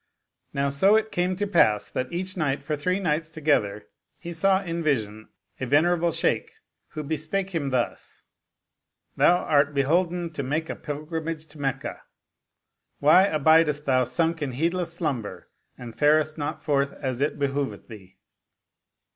Now so it came to pass that each night for three nights together he saw in vision a venerable Shaykh who bespake him thus, " Thou art beholden to make a pilgrimage to Meccah ; why abidest thou sunk in heedless slumber and farest not forth as it behoveth thee